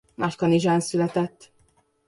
Nagykanizsán született.